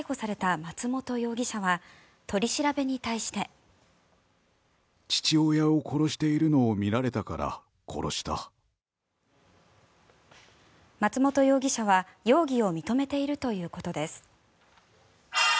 松本容疑者は容疑を認めているということです。